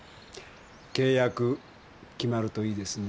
契約決まるといいですね。